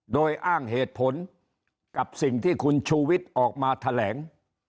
โดยอ้างเหตุผลกับสิ่งที่คุณชูวิทย์ออกมาแถลง